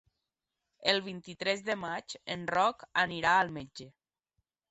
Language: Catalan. El vint-i-tres de maig en Roc anirà al metge.